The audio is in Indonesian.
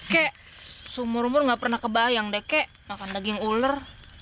kek sumur umur gak pernah kebayang deh kek makan daging uler